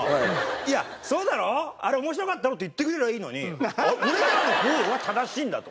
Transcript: いや「そうだろ？あれ面白かったろ」って言ってくれればいいのに俺らの方は正しいんだと。